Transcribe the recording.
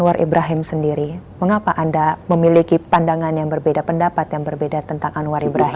saya sendiri tidak memiliki pandangan yang berbeda pendapat yang berbeda tentang anwar ibrahim